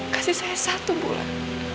kasih saya satu bulan